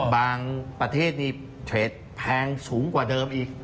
ประเทศนี้เทรดแพงสูงกว่าเดิมอีก